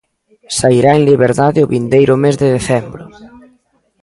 Sairá en liberdade o vindeiro mes de decembro.